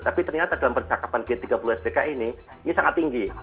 tapi ternyata dalam percakapan g tiga puluh spki ini ini sangat tinggi